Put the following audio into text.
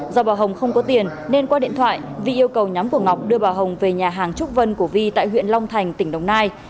do bà hồng không có tiền nên qua điện thoại vi yêu cầu nhóm của ngọc đưa bà hồng về nhà hàng trúc vân của vi tại huyện long thành tỉnh đồng nai